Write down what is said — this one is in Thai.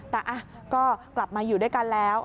แต่ก็กลับมาอยู่ด้วยกันแล้ว